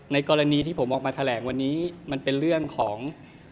กรณีที่ผมออกมาแถลงวันนี้มันเป็นเรื่องของ